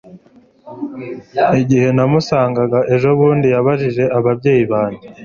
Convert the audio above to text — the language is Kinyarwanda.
igihe namusangaga ejobundi yabajije ababyeyi banjye